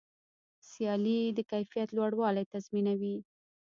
سیالي د کیفیت لوړوالی تضمینوي.